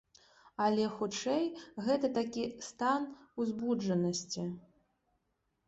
Але, хутчэй, гэта такі стан узбуджанасці.